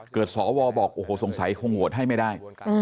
สวบอกโอ้โหสงสัยคงโหวตให้ไม่ได้